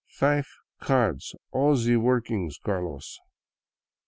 Fife cards ; all ze workeengs, Carlos."